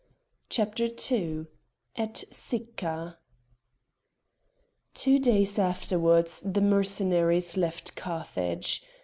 CHAPTER II AT SICCA Two days afterwards the Mercenaries left Carthage.